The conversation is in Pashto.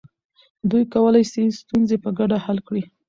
دوی کولی سي ستونزې په ګډه حل کړي.